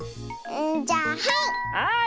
じゃあはい！